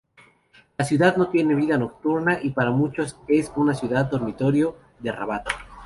La ciudad no tiene vida nocturna y para muchos es una ciudad-dormitorio de Rabat.